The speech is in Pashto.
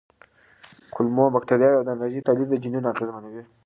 کولمو بکتریاوې د انرژۍ تولید جینونه اغېزمنوي.